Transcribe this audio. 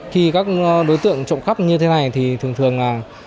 khi các đối tượng trộm cắp như thế này thì thường thường